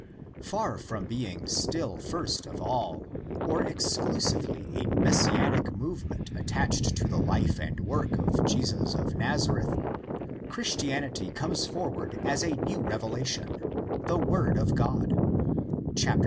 Far from being still first of all or exclusively a Messianic movement attached to the life and work of Jesud'of Nazareth, Christianity comes forward as a new revelation, '' the word of God "' (11.